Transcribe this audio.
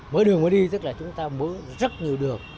mở đường mới đi tức là chúng ta mở rất nhiều đường